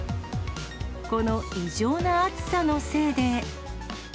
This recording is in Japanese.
この異常な暑さのせいで。